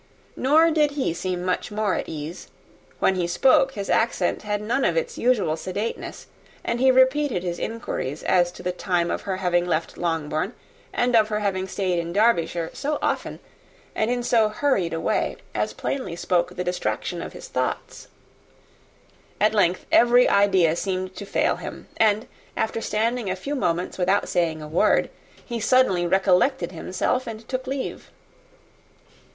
Nor did he seem much more at ease; when he spoke, his accent had none of its usual sedateness; and he repeated his inquiries as to the time of her having left Longbourn, and of her stay in Derbyshire, so often, and in so hurried a way, as plainly spoke the distraction of his thoughts. At length, every idea seemed to fail him; and after standing a few moments without saying a word, he suddenly recollected himself, and took leave.